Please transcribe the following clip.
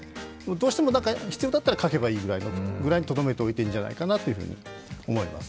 どうしても必要だったら書けばいいぐらいにとどめておいていいんじゃないかなと思います。